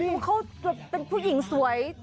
แต่มันเป็นผู้หญิงสวย